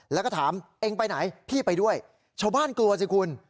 แล้วก็ถามเองไปไหนพี่ไปด้วยชาวบ้านกลัวสิคุณ